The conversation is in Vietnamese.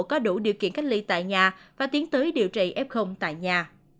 có đủ điều kiện cách ly tại nhà và tiến tới điều trị f tại nhà